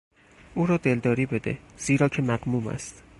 او را دلداری بده زیرا که مغموم است.